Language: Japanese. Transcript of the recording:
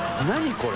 これ！